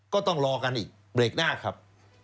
ก็ต้องรอกันอีกเบรกหน้าครับ